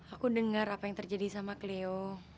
aku dengar apa yang terjadi sama cleo